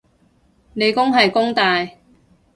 理工係弓大